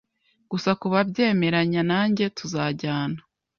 gusa kubabyemeranya nanjye tuzajyana